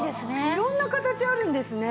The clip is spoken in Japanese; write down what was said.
色んな形あるんですね。